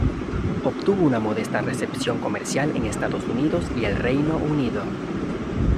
Obtuvo una modesta recepción comercial en Estados Unidos y el Reino Unido.